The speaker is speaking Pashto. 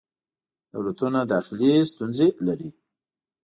دولتونه داخلې ستونزې لري.